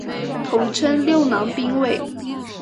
通称六郎兵卫。